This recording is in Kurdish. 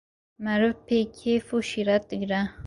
meriv pê kêf û şîret digre.